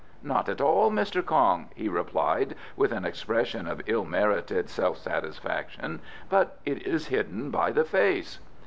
"Not at all, Mr. Kong," he replied, with an expression of ill merited self satisfaction, "but it is hidden by the face."